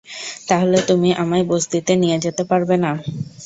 তাহলে তুমি আমায় বসতিতে নিয়ে যেতে পারবে না?